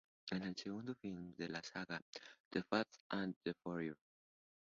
Es el segundo film de la saga "The Fast and the Furious".